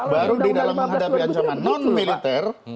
baru di dalam menghadapi ancaman non militer